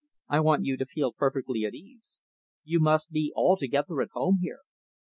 "I want you to feel perfectly at ease. You must be altogether at home here.